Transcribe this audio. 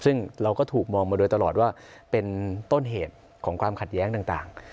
ซึ่งเราก็ถูกมองมาโดยตลอดว่าเป็นต้นเหตุของความขัดแย้งต่าง